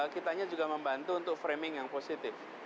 kitanya juga membantu untuk framing yang positif